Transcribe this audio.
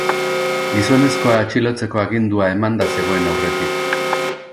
Gizonezkoa atxilotzeko agindua emanda zegoen aurretik.